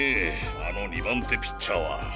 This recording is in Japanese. あの２番手ピッチャーは。